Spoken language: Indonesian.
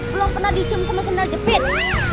belum pernah dicium sama sendal jepit